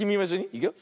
いくよ。